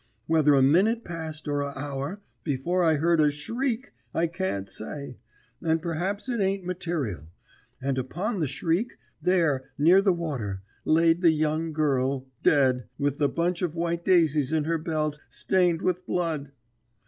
Whether a minute passed or a hour, before I heard a shriek, I can't say, and perhaps it ain't material. And upon the shriek, there, near the water, laid the young girl, dead, with the bunch of white daisies in her belt, stained with blood.